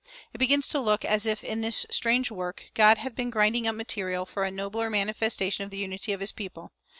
It begins to look as if in this "strange work" God had been grinding up material for a nobler manifestation of the unity of his people.